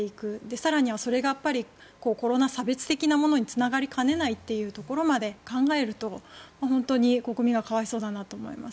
更にはそれがコロナ差別的なものにまでつながりかねないというところまで考えると本当に国民が可哀想だなと思います。